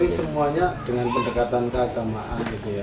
ini semuanya dengan pendekatan keagamaan gitu ya